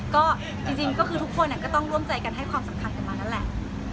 ก็จริงก็คือทุกคนก็ต้องร่วมใจกันให้ความสำคัญกันมานั่นแหละ